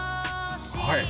はい！